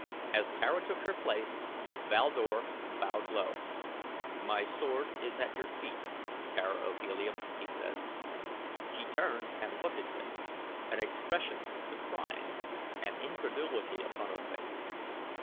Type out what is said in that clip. As Tara took her place Val Dor bowed low. "My sword is at your feet, Tara of Helium," he said. She turned and looked at him, an expression of surprise and incredulity upon her face.